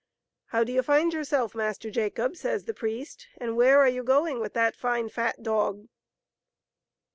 " How do you find yourself, Master Jacob ?" says the priest, " and where are you going with that fine, fat dog